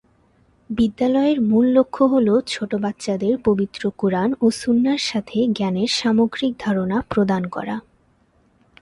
বিদ্যালয়ের মূল লক্ষ্য হল "ছোট বাচ্চাদের পবিত্র কুরআন ও সুন্নাহর সাথে জ্ঞানের সামগ্রিক ধারণা প্রদান করা"।